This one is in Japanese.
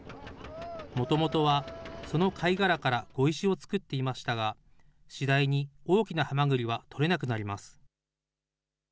もともとは、その貝殻から碁石を作っていましたが、次第に大きなハマグリは取れなくなります。